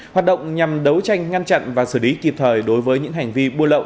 hoạt động nhằm đấu tranh ngăn chặn và xử lý kịp thời đối với những hành vi buôn lậu